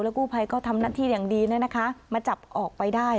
แล้วกู้ภัยก็ทำหน้าที่อย่างดีน่ะนะคะมาจับออกไปได้